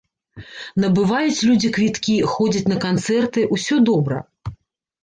Набываюць людзі квіткі, ходзяць на канцэрты, усё добра.